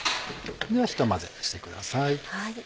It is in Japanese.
ひと混ぜしてください。